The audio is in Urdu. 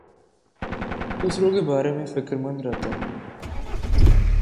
دوسروں کے بارے میں فکر مند رہتا ہوں